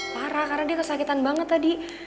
parah karena dia kesakitan banget tadi